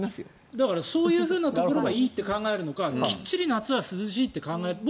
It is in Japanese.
だからそういうところがいいと考えるのか、きっちり夏は涼しいと考えるか。